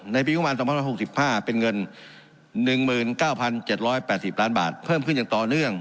ในปีใหม่๒๐๖๕เป็นเงิน๑๙๗๘๐๐๐๐๐๐๐๐๐๐เพิ่มขึ้นยังต่อเนื่อง